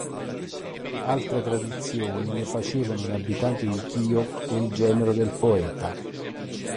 Altre tradizioni ne facevano un abitante di Chio e il genero del poeta.